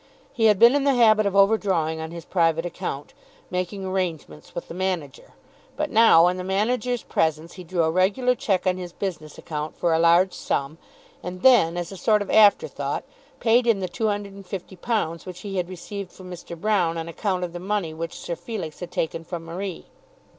He had been in the habit of over drawing on his private account, making arrangements with the manager. But now, in the manager's presence, he drew a regular cheque on his business account for a large sum, and then, as a sort of afterthought, paid in the £250 which he had received from Mr. Broune on account of the money which Sir Felix had taken from Marie.